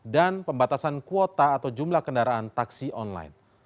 dan pembatasan kuota atau jumlah kendaraan taksi online